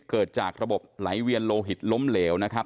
เกิดจากระบบไหลเวียนโลหิตล้มเหลวนะครับ